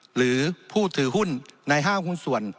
หรือผู้ถือหุ้นในห้างหุ้นส่วน